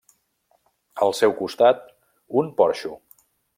Al seu costat un porxo.